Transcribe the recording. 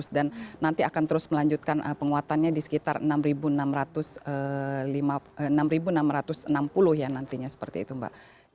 dan nanti akan terus melanjutkan penguatannya di sekitar enam ribu enam ratus enam puluh ya nantinya seperti itu mbak